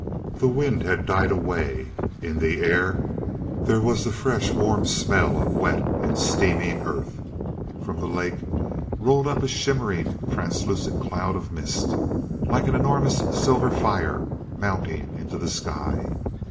The wind had died away; in the air there was the fresh warm smell of wet and steaming earth. From the lake rolled up a shimmering translucent cloud of mist, like an enormous silver fire mounting into the sky.